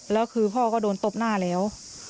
แล้วคือพ่อก็โดนตบหน้าแล้ว